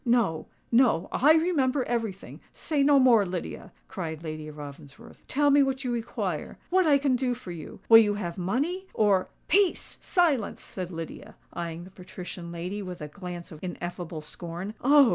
"No—no: I remember everything. Say no more, Lydia," cried Lady Ravensworth. "Tell me what you require—what I can do for you! Will you have money? or——" "Peace!—silence!" said Lydia, eyeing the patrician lady with a glance of ineffable scorn. "Oh!"